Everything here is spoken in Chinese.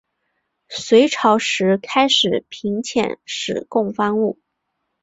隋朝时开始频遣使贡方物。